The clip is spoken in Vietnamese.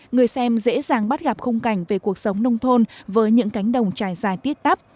người xem dễ dàng bắt gặp khung cảnh về cuộc sống nông thôn với những cánh đồng trải dài tiết tắp